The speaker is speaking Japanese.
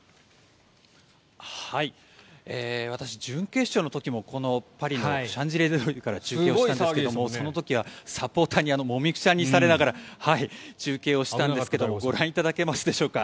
私、準決勝の時もパリのシャンゼリゼ通りから中継をしたんですけどもその時はサポーターにもみくちゃにされながら中継をしたのですがご覧いただけますでしょうか。